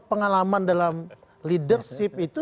pengalaman dalam leadership itu